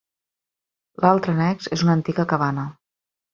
L'altre annex és una antiga cabana.